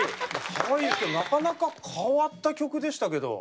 かわいいですけどなかなか変わった曲でしたけど。